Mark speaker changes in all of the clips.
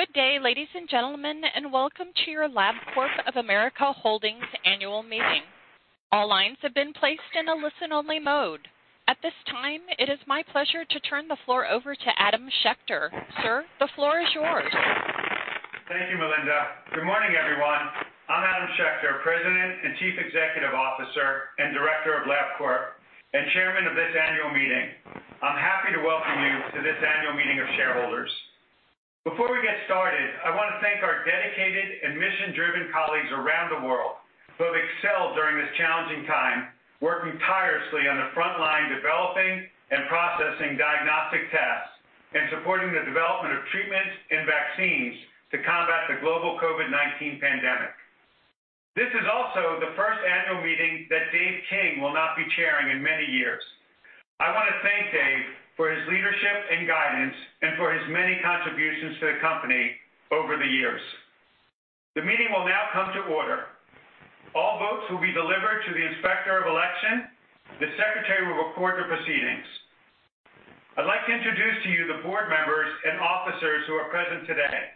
Speaker 1: Good day, ladies and gentlemen, and welcome to your Laboratory Corporation of America Holdings Annual Meeting. All lines have been placed in a listen-only mode. At this time, it is my pleasure to turn the floor over to Adam Schechter. Sir, the floor is yours.
Speaker 2: Thank you, Melinda. Good morning, everyone. I'm Adam Schechter, President and Chief Executive Officer and Director of Labcorp, and Chairman of this annual meeting. I'm happy to welcome you to this annual meeting of shareholders. Before we get started, I want to thank our dedicated and mission-driven colleagues around the world who have excelled during this challenging time, working tirelessly on the front line, developing and processing diagnostic tests, and supporting the development of treatments and vaccines to combat the global COVID-19 pandemic. This is also the first annual meeting that David P. King will not be chairing in many years. I want to thank David for his leadership and guidance and for his many contributions to the company over the years. The meeting will now come to order. All votes will be delivered to the Inspector of Election. The Secretary will record the proceedings. I'd like to introduce to you the board members and officers who are present today.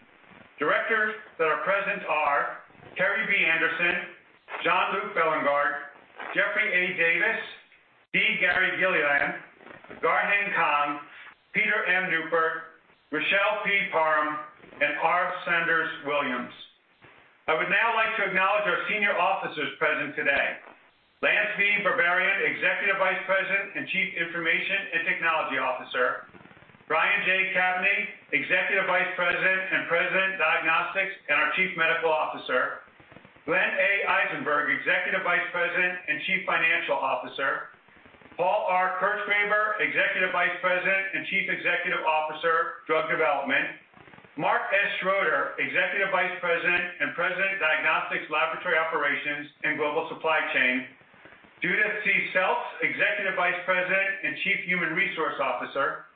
Speaker 2: Directors that are present are Kerrii B. Anderson, Jean-Luc Bélingard, Jeffrey A. Davis, D. Gary Gilliland, Garheng Kong, Peter M. Neupert, Richelle P. Parham, and R. Sanders Williams. I would now like to acknowledge our senior officers present today. Lance V. Berberian, Executive Vice President and Chief Information and Technology Officer, Brian J. Caveney, Executive Vice President and President Diagnostics and Chief Medical Officer, Glenn A. Eisenberg, Executive Vice President and Chief Financial Officer, Paul R. Kirchgraber, Executive Vice President and Chief Executive Officer, Drug Development, Mark S. Schroeder, Executive Vice President and President, Diagnostics, Laboratory Operations, and Global Supply Chain, Judith C. Seltz, Executive Vice President and Chief Human Resources Officer,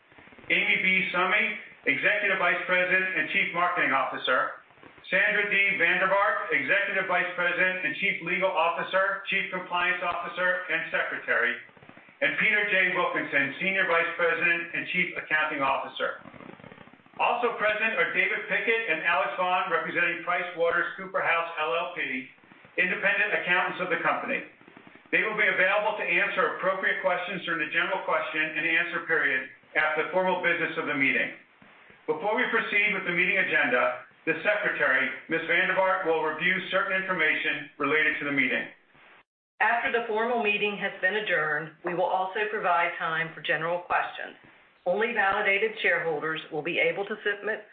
Speaker 2: Amy B. Summy, Executive Vice President and Chief Marketing Officer, Sandra D. van der Vaart, Executive Vice President and Chief Legal Officer, Chief Compliance Officer, and Secretary, and Peter J. Wilkinson, Senior Vice President and Chief Accounting Officer. Also present are David Pickett and Alex Vaughn, representing PricewaterhouseCoopers LLP, independent accountants of the company. They will be available to answer appropriate questions during the general question and answer period after the formal business of the meeting. Before we proceed with the meeting agenda, the Secretary, Ms. van der Vaart, will review certain information related to the meeting.
Speaker 3: After the formal meeting has been adjourned, we will also provide time for general questions. Only validated shareholders will be able to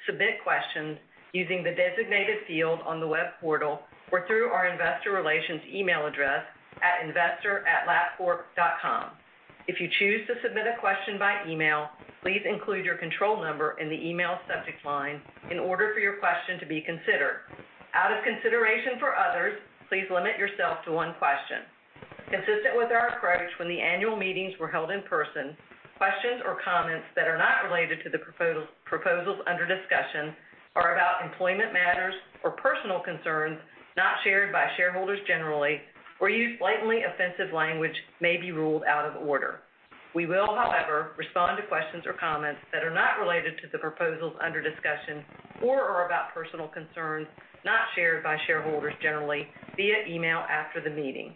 Speaker 3: submit questions using the designated field on the web portal or through our investor relations email address at investor@labcorp.com. If you choose to submit a question by email, please include your control number in the email subject line in order for your question to be considered. Out of consideration for others, please limit yourself to one question. Consistent with our approach when the annual meetings were held in person, questions or comments that are not related to the proposals under discussion are about employment matters or personal concerns not shared by shareholders generally or use blatantly offensive language may be ruled out of order. We will, however, respond to questions or comments that are not related to the proposals under discussion or are about personal concerns not shared by shareholders generally via email after the meeting.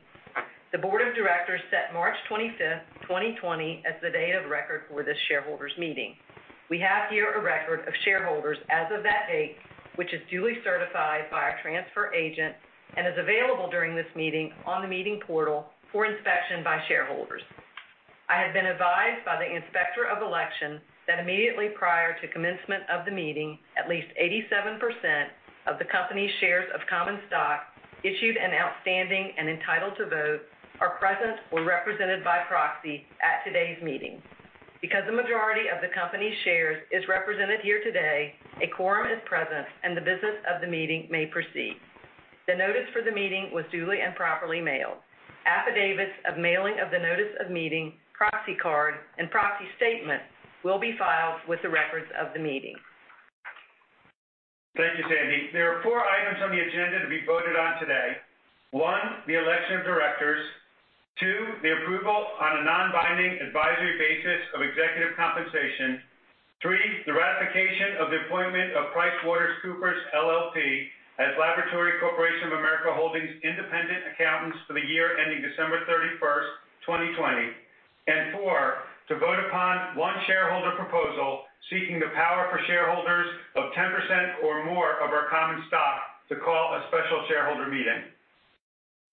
Speaker 3: The board of directors set March 25th, 2020, as the date of record for this shareholders meeting. We have here a record of shareholders as of that date, which is duly certified by our transfer agent and is available during this meeting on the meeting portal for inspection by shareholders. I have been advised by the Inspector of Election that immediately prior to commencement of the meeting, at least 87% of the company's shares of common stock issued and outstanding and entitled to vote are present or represented by proxy at today's meeting. Because the majority of the company's shares is represented here today, a quorum is present, and the business of the meeting may proceed. The notice for the meeting was duly and properly mailed. Affidavits of mailing of the notice of meeting, proxy card, and proxy statement will be filed with the records of the meeting.
Speaker 2: Thank you, Sandra. There are four items on the agenda to be voted on today. One, the election of directors, two, the approval on a non-binding advisory basis of executive compensation, three, the ratification of the appointment of PricewaterhouseCoopers LLP as Laboratory Corporation of America Holdings independent accountants for the year ending December 31st, 2020, four, to vote upon one shareholder proposal seeking the power for shareholders of 10% or more of our common stock to call a special shareholder meeting.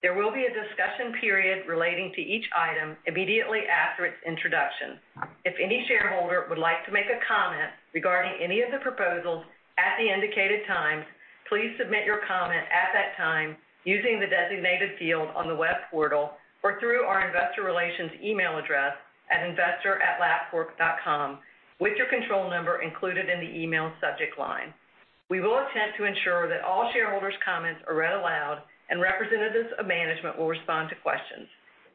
Speaker 3: There will be a discussion period relating to each item immediately after its introduction. If any shareholder would like to make a comment regarding any of the proposals at the indicated times, please submit your comment at that time using the designated field on the web portal or through our investor relations email address at investor@labcorp.com with your control number included in the email subject line. We will attempt to ensure that all shareholders' comments are read aloud and representatives of management will respond to questions.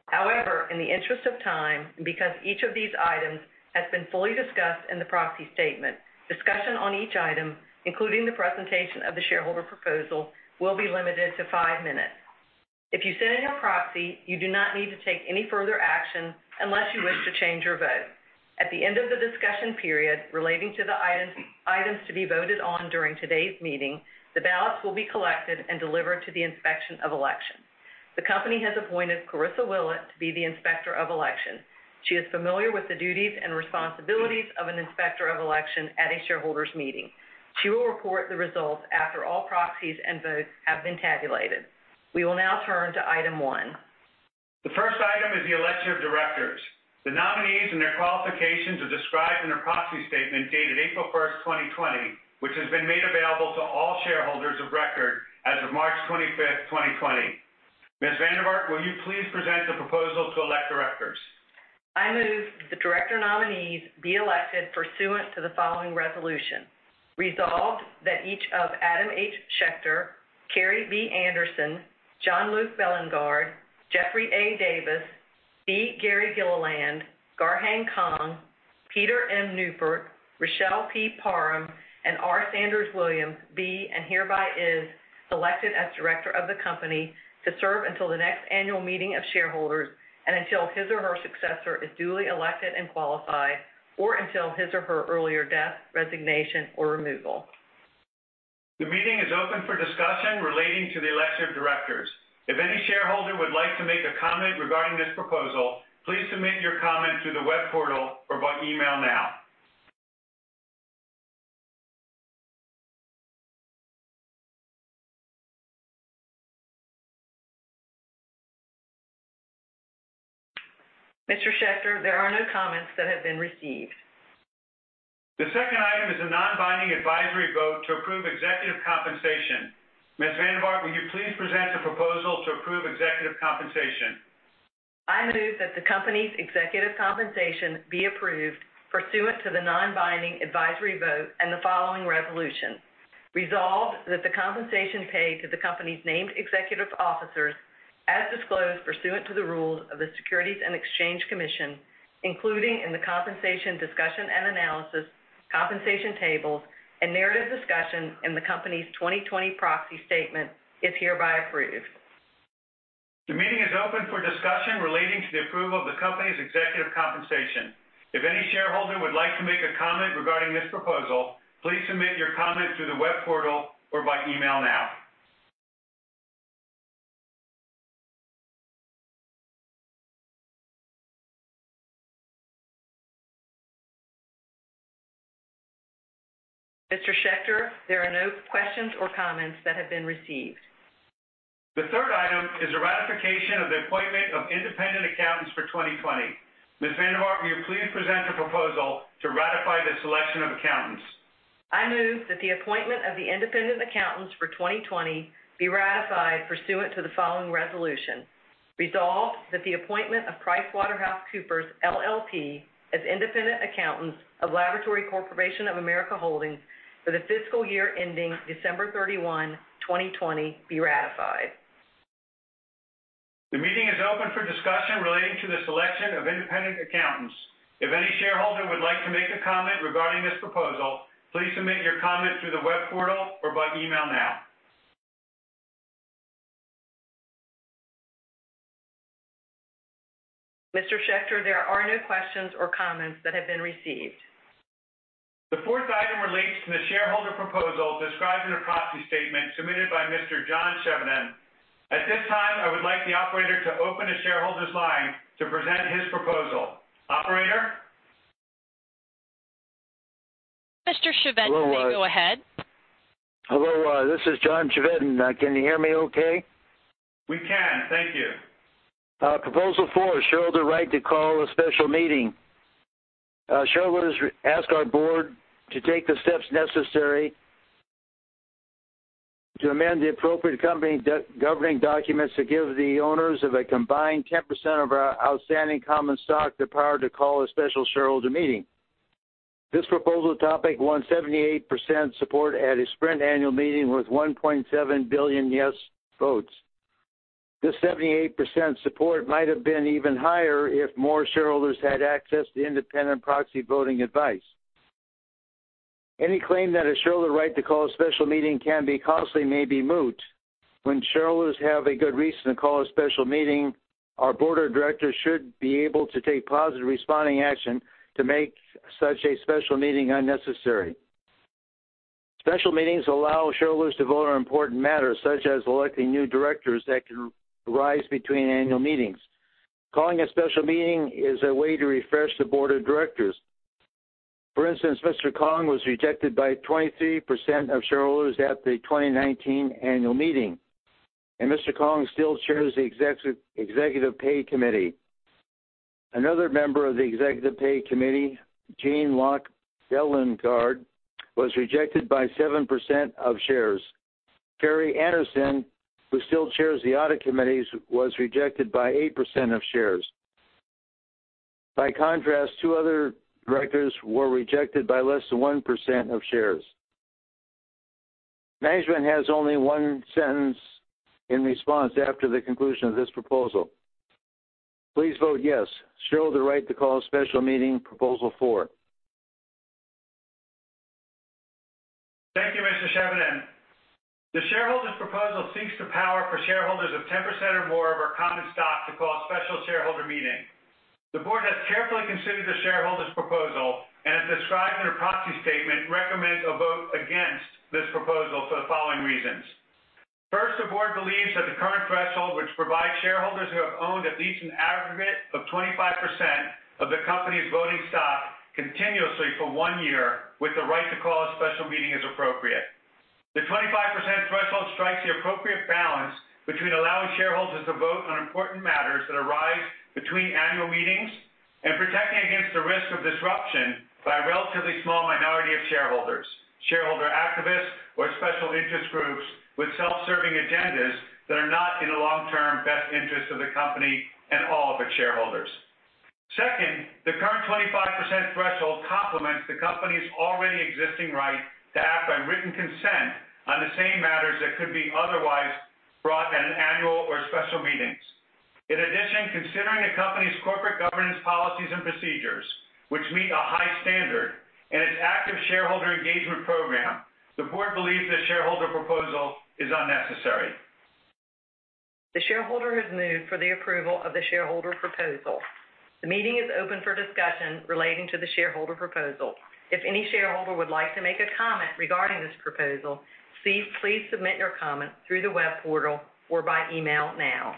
Speaker 3: However, in the interest of time, and because each of these items has been fully discussed in the proxy statement, discussion on each item, including the presentation of the shareholder proposal, will be limited to five minutes. If you sent in your proxy, you do not need to take any further action unless you wish to change your vote. At the end of the discussion period relating to the items to be voted on during today's meeting, the ballots will be collected and delivered to the Inspector of Election. The company has appointed Carissa Willett to be the Inspector of Election. She is familiar with the duties and responsibilities of an Inspector of Election at a shareholders' meeting. She will report the results after all proxies and votes have been tabulated. We will now turn to item one.
Speaker 2: The first item is the election of directors. The nominees and their qualifications are described in their proxy statement dated April 1st, 2020, which has been made available to all shareholders of record as of March 25th, 2020. Ms. van der Vaart, will you please present the proposal to elect directors?
Speaker 3: I move the director nominees be elected pursuant to the following resolution. Resolved that each of Adam H. Schechter, Kerrii B. Anderson, Jean-Luc Bélingard, Jeffrey A. Davis, D. Gary Gilliland, Garheng Kong, Peter M. Neupert, Richelle P. Parham, and R. Sanders Williams be and hereby is elected as director of the company to serve until the next annual meeting of shareholders and until his or her successor is duly elected and qualified, or until his or her earlier death, resignation, or removal.
Speaker 2: The meeting is open for discussion relating to the election of directors. If any shareholder would like to make a comment regarding this proposal, please submit your comment through the web portal or by email now.
Speaker 3: Mr. Schechter, there are no comments that have been received.
Speaker 2: The second item is a non-binding advisory vote to approve executive compensation. Ms. van der Vaart, will you please present the proposal to approve executive compensation?
Speaker 3: I move that the company's executive compensation be approved pursuant to the non-binding advisory vote and the following resolution. Resolved that the compensation paid to the company's named executive officers, as disclosed pursuant to the rules of the Securities and Exchange Commission, including in the Compensation Discussion and Analysis, compensation tables, and narrative discussion in the company's 2020 proxy statement, is hereby approved.
Speaker 2: The meeting is open for discussion relating to the approval of the company's executive compensation. If any shareholder would like to make a comment regarding this proposal, please submit your comment through the web portal or by email now.
Speaker 3: Mr. Schechter, there are no questions or comments that have been received.
Speaker 2: The third item is a ratification of the appointment of independent accountants for 2020. Ms. van der Vaart, will you please present the proposal to ratify the selection of accountants?
Speaker 3: I move that the appointment of the independent accountants for 2020 be ratified pursuant to the following resolution. Resolved that the appointment of PricewaterhouseCoopers LLP as independent accountants of Laboratory Corporation of America Holdings for the fiscal year ending December 31, 2020, be ratified.
Speaker 2: The meeting is open for discussion relating to the selection of independent accountants. If any shareholder would like to make a comment regarding this proposal, please submit your comment through the web portal or by email now.
Speaker 3: Mr. Schechter, there are no questions or comments that have been received.
Speaker 2: The fourth item relates to the shareholder proposal described in a proxy statement submitted by Mr. John Chevedden. At this time, I would like the Operator to open the shareholder's line to present his proposal. Operator?
Speaker 1: Mr. Chevedden-
Speaker 4: Hello?
Speaker 1: Please go ahead.
Speaker 4: Hello, this is John Chevedden. Can you hear me okay?
Speaker 2: We can. Thank you.
Speaker 4: Proposal four, shareholder right to call a special meeting. Shareholders ask our board to take the steps necessary to amend the appropriate governing documents to give the owners of a combined 10% of our outstanding common stock the power to call a special shareholder meeting. This proposal topic won 78% support at a Sprint annual meeting with 1.7 billion yes votes. This 78% support might have been even higher if more shareholders had access to independent proxy voting advice. Any claim that a shareholder right to call a special meeting can be costly may be moot. When shareholders have a good reason to call a special meeting, our board of directors should be able to take positive responding action to make such a special meeting unnecessary. Special meetings allow shareholders to vote on important matters, such as electing new directors that can rise between annual meetings. Calling a special meeting is a way to refresh the board of directors. For instance, Mr. Kong was rejected by 23% of shareholders at the 2019 annual meeting, and Mr. Kong still chairs the Executive Pay Committee. Another member of the Executive Pay Committee, Jean-Luc Bélingard, was rejected by 7% of shares. Kerrii B. Anderson, who still chairs the Audit Committee, was rejected by 8% of shares. By contrast, two other directors were rejected by less than 1% of shares. Management has only one sentence in response after the conclusion of this proposal. Please vote yes. Shareholder right to call a special meeting, proposal four
Speaker 2: Thank you, Mr. Chevedden. The shareholder's proposal seeks the power for shareholders of 10% or more of our common stock to call a special shareholder meeting. The board has carefully considered the shareholder's proposal, and as described in our proxy statement, recommends a vote against this proposal for the following reasons. First, the board believes that the current threshold, which provides shareholders who have owned at least an aggregate of 25% of the company's voting stock continuously for one year with the right to call a special meeting, is appropriate. The 25% threshold strikes the appropriate balance between allowing shareholders to vote on important matters that arise between annual meetings and protecting against the risk of disruption by a relatively small minority of shareholders, shareholder activists, or special interest groups with self-serving agendas that are not in the long-term best interest of the company and all of its shareholders. Second, the current 25% threshold complements the company's already existing right to act by written consent on the same matters that could be otherwise brought at annual or special meetings. In addition, considering the company's corporate governance policies and procedures, which meet a high standard, and its active shareholder engagement program, the Board believes the shareholder proposal is unnecessary.
Speaker 3: The shareholder has moved for the approval of the shareholder proposal. The meeting is open for discussion relating to the shareholder proposal. If any shareholder would like to make a comment regarding this proposal, please submit your comment through the web portal or by email now.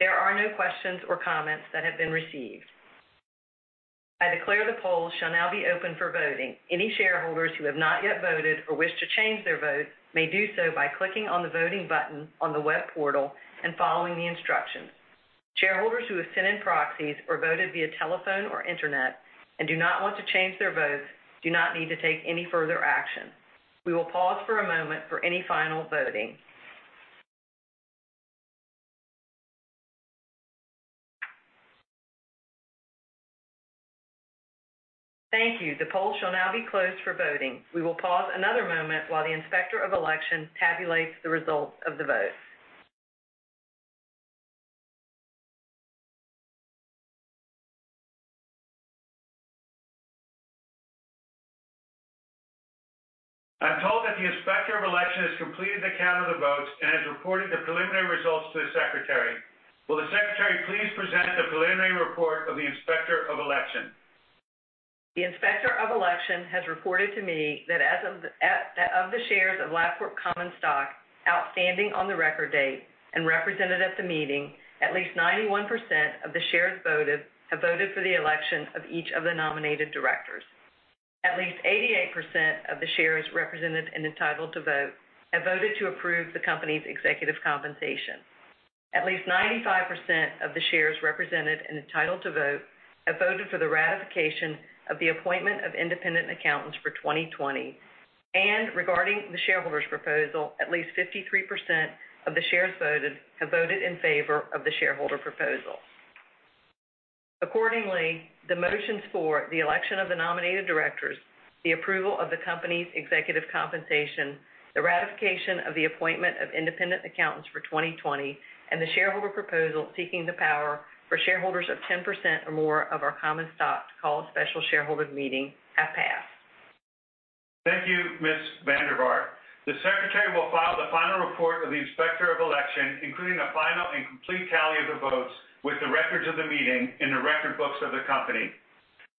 Speaker 3: There are no questions or comments that have been received. I declare the polls shall now be open for voting. Any shareholders who have not yet voted or wish to change their vote may do so by clicking on the voting button on the web portal and following the instructions. Shareholders who have sent in proxies or voted via telephone or internet and do not want to change their votes do not need to take any further action. We will pause for a moment for any final voting. Thank you. The polls shall now be closed for voting. We will pause another moment while the Inspector of Election tabulates the results of the vote.
Speaker 2: I'm told that the Inspector of Election has completed the count of the votes and has reported the preliminary results to the Secretary. Will the Secretary please present the preliminary report of the Inspector of Election?
Speaker 3: The Inspector of Election has reported to me that of the shares of Labcorp common stock outstanding on the record date and represented at the meeting, at least 91% of the shares voted have voted for the election of each of the nominated directors. At least 88% of the shares represented and entitled to vote have voted to approve the company's executive compensation. At least 95% of the shares represented and entitled to vote have voted for the ratification of the appointment of independent accountants for 2020. Regarding the shareholder's proposal, at least 53% of the shares voted have voted in favor of the shareholder proposal. Accordingly, the motions for the election of the nominated directors, the approval of the company's executive compensation, the ratification of the appointment of independent accountants for 2020, and the shareholder proposal seeking the power for shareholders of 10% or more of our common stock to call a special shareholders meeting have passed.
Speaker 2: Thank you, Ms. van der Vaart. The Secretary will file the final report of the Inspector of Election, including the final and complete tally of the votes with the records of the meeting in the record books of the company.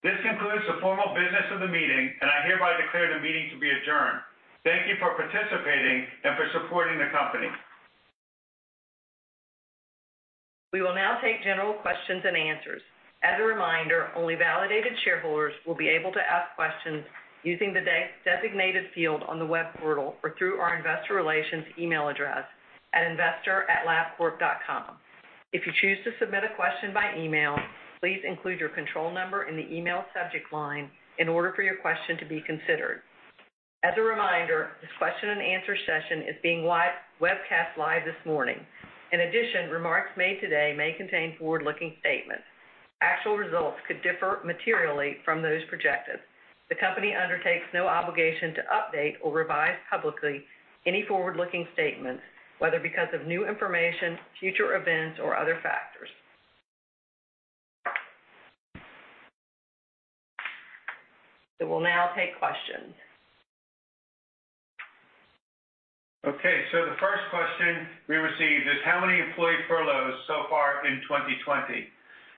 Speaker 2: This concludes the formal business of the meeting, and I hereby declare the meeting to be adjourned. Thank you for participating and for supporting the company.
Speaker 3: We will now take general questions and answers. As a reminder, only validated shareholders will be able to ask questions using the designated field on the web portal or through our Investor Relations email address at investor@labcorp.com. If you choose to submit a question by email, please include your control number in the email subject line in order for your question to be considered. As a reminder, this question and answer session is being webcast live this morning. In addition, remarks made today may contain forward-looking statements. Actual results could differ materially from those projected. The company undertakes no obligation to update or revise publicly any forward-looking statements, whether because of new information, future events, or other factors. We will now take questions.
Speaker 2: Okay, the first question we received is how many employee furloughs so far in 2020?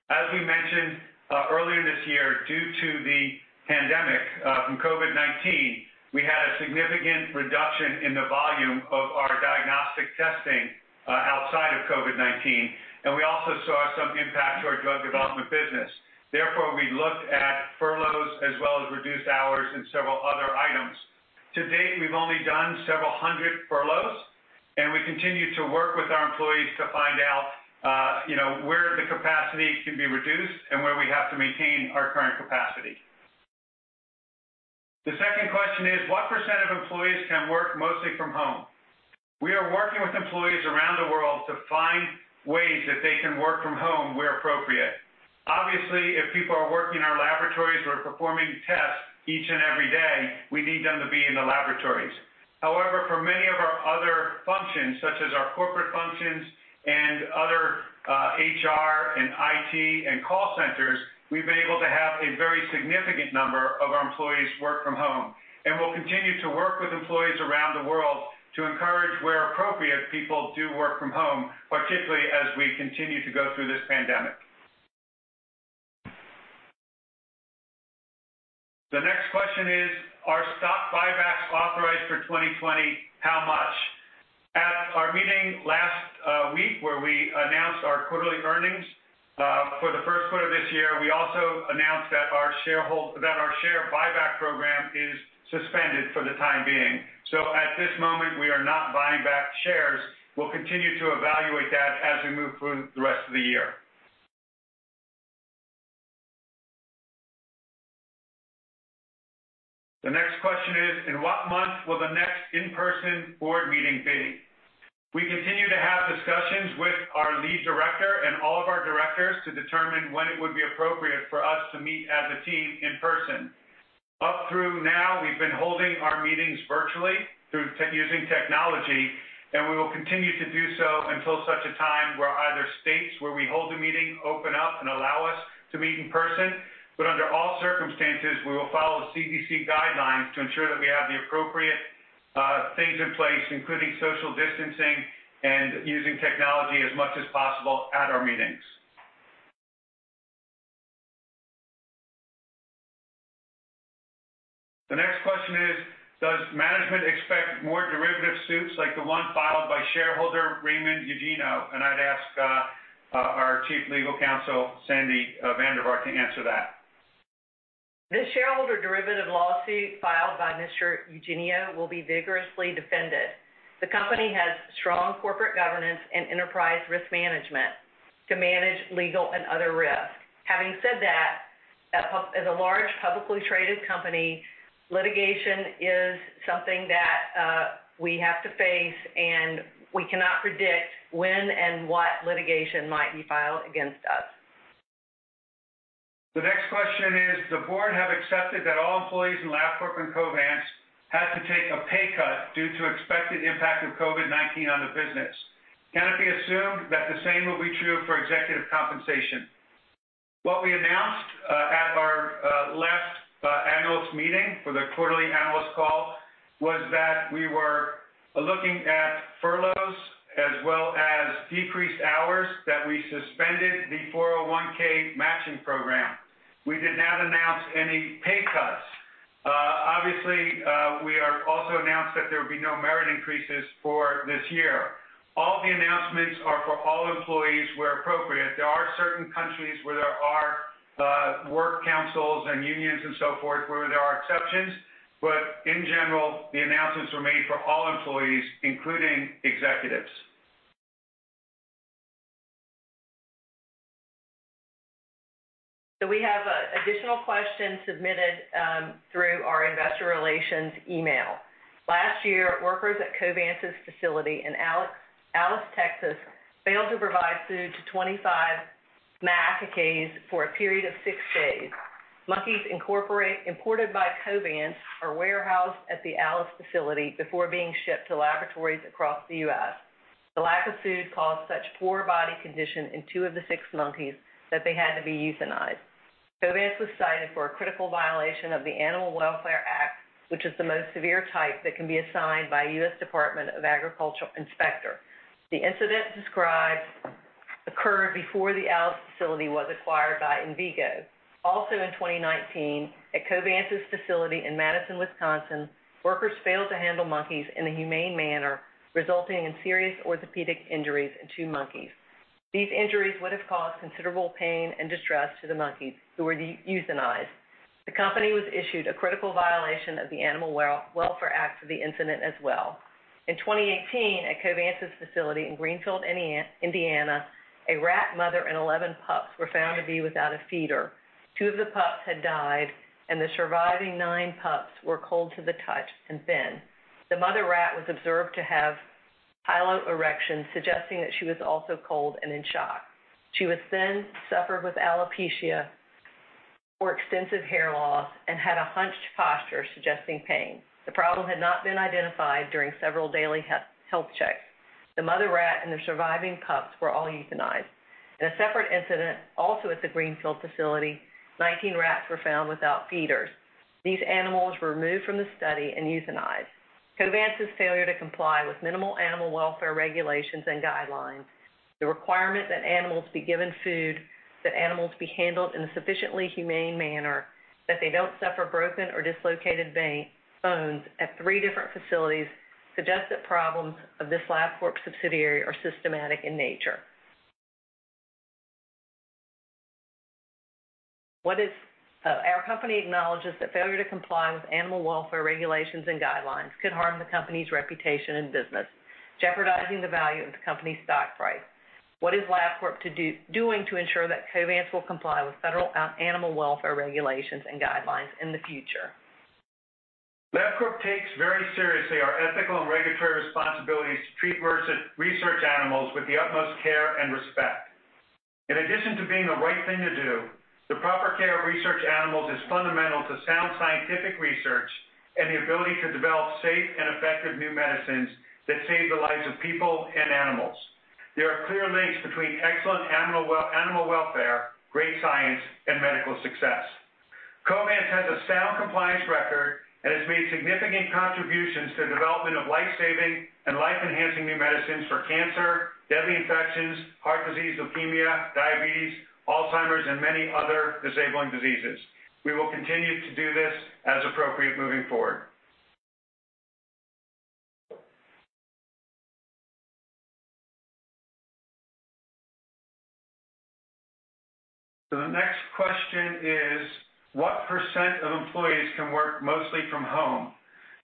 Speaker 2: As we mentioned earlier this year, due to the pandemic from COVID-19, we had a significant reduction in the volume of our diagnostic testing outside of COVID-19, and we also saw some impact to our Drug Development business. Therefore, we looked at furloughs as well as reduced hours and several other items. To date, we've only done several hundred furloughs, and we continue to work with our employees to find out where the capacity can be reduced and where we have to maintain our current capacity. The second question is: What percent of employees can work mostly from home? We are working with employees around the world to find ways that they can work from home where appropriate. Obviously, if people are working in our laboratories or performing tests each and every day, we need them to be in the laboratories. For many of our other functions, such as our corporate functions and other HR and IT and call centers, we've been able to have a very significant number of our employees work from home, and we'll continue to work with employees around the world to encourage, where appropriate, people to work from home, particularly as we continue to go through this pandemic. The next question is, are stock buybacks authorized for 2020? How much? At our meeting last week, where we announced our quarterly earnings for the first quarter of this year, we also announced that our share buyback program is suspended for the time being. At this moment, we are not buying back shares. We'll continue to evaluate that as we move through the rest of the year. The next question is, in what month will the next in-person board meeting be? We continue to have discussions with our Lead Director and all of our directors to determine when it would be appropriate for us to meet as a team in person. Up through now, we've been holding our meetings virtually through using technology, and we will continue to do so until such a time where either states where we hold the meeting open up and allow us to meet in person. Under all circumstances, we will follow CDC guidelines to ensure that we have the appropriate things in place, including social distancing and using technology as much as possible at our meetings. The next question is, does management expect more derivative suits like the one filed by shareholder Raymond Eugenio? I'd ask our Chief Legal Counsel, Sandra van der Vaart, to answer that.
Speaker 3: This shareholder derivative lawsuit filed by Mr. Eugenio will be vigorously defended. The company has strong corporate governance and enterprise risk management to manage legal and other risk. Having said that, as a large publicly traded company, litigation is something that we have to face, and we cannot predict when and what litigation might be filed against us.
Speaker 2: The next question is, the board have accepted that all employees in Labcorp and Covance had to take a pay cut due to expected impact of COVID-19 on the business. Can it be assumed that the same will be true for executive compensation? What we announced at our last analyst meeting for the quarterly analyst call was that we were looking at furloughs as well as decreased hours, that we suspended the 401 matching program. We did not announce any pay cuts. Obviously, we also announced that there would be no merit increases for this year. All the announcements are for all employees where appropriate. There are certain countries where there are work councils and unions and so forth, where there are exceptions. In general, the announcements were made for all employees, including executives.
Speaker 3: We have an additional question submitted through our investor relations email. Last year, workers at Covance's facility in Alice, Texas, failed to provide food to 25 macaques for a period of six days. Monkeys imported by Covance are warehoused at the Alice facility before being shipped to laboratories across the U.S. The lack of food caused such poor body condition in two of the six monkeys that they had to be euthanized. Covance was cited for a critical violation of the Animal Welfare Act, which is the most severe type that can be assigned by a U.S. Department of Agriculture inspector. The incident described occurred before the Alice facility was acquired by Envigo. In 2019, at Covance's facility in Madison, Wisconsin, workers failed to handle monkeys in a humane manner, resulting in serious orthopedic injuries in two monkeys. These injuries would have caused considerable pain and distress to the monkeys, who were euthanized. The company was issued a critical violation of the Animal Welfare Act for the incident as well. In 2018, at Covance's facility in Greenfield, Indiana, a rat mother and 11 pups were found to be without a feeder. Two of the pups had died, and the surviving nine pups were cold to the touch and thin. The mother rat was observed to have piloerection, suggesting that she was also cold and in shock. She was thin, suffered with alopecia or extensive hair loss, and had a hunched posture suggesting pain. The problem had not been identified during several daily health checks. The mother rat and the surviving pups were all euthanized. In a separate incident, also at the Greenfield facility, 19 rats were found without feeders. These animals were removed from the study and euthanized. Covance's failure to comply with minimal animal welfare regulations and guidelines, the requirement that animals be given food, that animals be handled in a sufficiently humane manner, that they don't suffer broken or dislocated bones at three different facilities suggests that problems of this Labcorp subsidiary are systematic in nature. Our company acknowledges that failure to comply with animal welfare regulations and guidelines could harm the company's reputation and business, jeopardizing the value of the company's stock price. What is Labcorp doing to ensure that Covance will comply with federal animal welfare regulations and guidelines in the future?
Speaker 2: Labcorp takes very seriously our ethical and regulatory responsibilities to treat research animals with the utmost care and respect. In addition to being the right thing to do, the proper care of research animals is fundamental to sound scientific research and the ability to develop safe and effective new medicines that save the lives of people and animals. There are clear links between excellent animal welfare, great science, and medical success. Covance has a sound compliance record and has made significant contributions to the development of life-saving and life-enhancing new medicines for cancer, deadly infections, heart disease, leukemia, diabetes, Alzheimer's, and many other disabling diseases. We will continue to do this as appropriate moving forward. The next question is, "What percent of employees can work mostly from home?"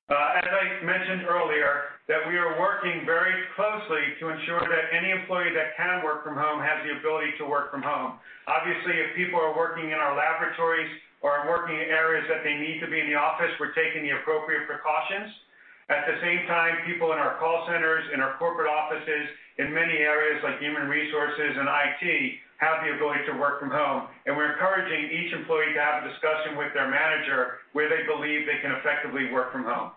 Speaker 2: As I mentioned earlier, that we are working very closely to ensure that any employee that can work from home has the ability to work from home. Obviously, if people are working in our laboratories or are working in areas that they need to be in the office, we're taking the appropriate precautions. At the same time, people in our call centers, in our corporate offices, in many areas like human resources and IT, have the ability to work from home, and we're encouraging each employee to have a discussion with their manager where they believe they can effectively work from home.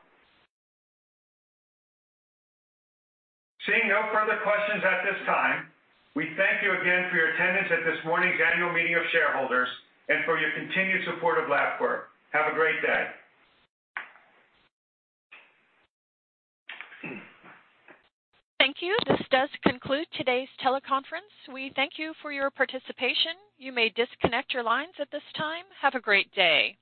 Speaker 2: Seeing no further questions at this time, we thank you again for your attendance at this morning's annual meeting of shareholders and for your continued support of Labcorp. Have a great day.
Speaker 1: Thank you. This does conclude today's teleconference. We thank you for your participation. You may disconnect your lines at this time. Have a great day.